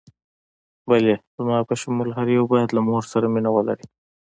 بلې، زما په شمول هر یو باید له مور سره مینه ولري.